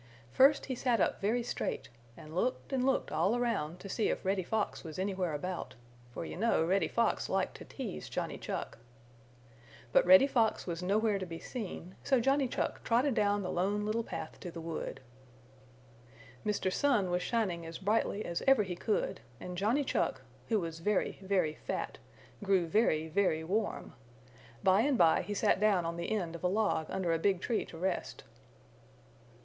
First he sat up very straight and looked and looked all around to see if Reddy Fox was anywhere about, for you know Reddy Fox liked to tease Johnny Chuck. But Reddy Fox was nowhere to be seen, so Johnny Chuck trotted down the Lone Little Path to the wood. Mr. Sun was shining as brightly as ever he could and Johnny Chuck, who was very, very fat, grew very, very warm. By and by he sat down on the end of a log under a big tree to rest.